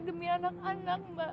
demi anak anak mbak